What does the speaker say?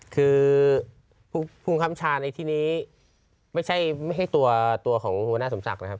คือผู้บังคับชาในที่นี้ไม่ใช่ตัวของหัวหน้าสมศักดิ์นะครับ